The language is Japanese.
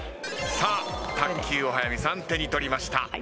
さあ卓球を早見さん手に取りました。